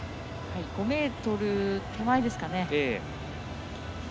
５ｍ手前ですかね。